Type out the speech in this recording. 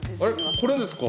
これですか？